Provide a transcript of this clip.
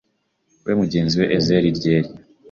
we mugenzi we ezeze ryeri.”